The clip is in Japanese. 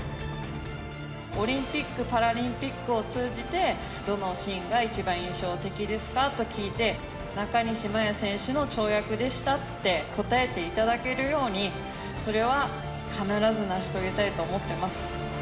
オリンピックパラリンピックを通じてどのシーンが一番印象的ですかと聞いて中西麻耶選手の跳躍でしたって答えていただけるようにそれは必ず成し遂げたいと思ってます。